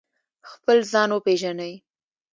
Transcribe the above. خپل ځان وپیژنئ